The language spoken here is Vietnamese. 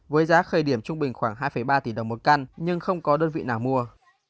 với giá khơi điểm trung bình khoảng hai ba tỷ đồng một căn nhưng không có đơn vị nào mua